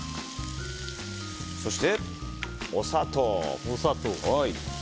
そして、お砂糖。